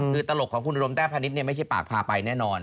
คือตลกของคุณอุดมแต้พาณิชย์ไม่ใช่ปากพาไปแน่นอน